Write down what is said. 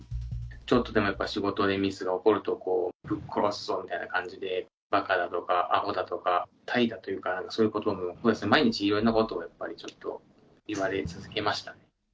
ちょっとでもやっぱり仕事でミスが起こると、ぶっ殺すぞみたいな感じで、ばかだとか、あほだとか、怠惰というか、そういうことを、毎日いろんなことをやっぱりちょっと言われ続けました。